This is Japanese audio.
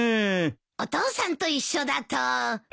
お父さんと一緒だと。